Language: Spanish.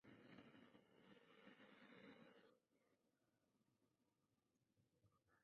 Es un nivel lluvioso, con acantilados, y un río largo.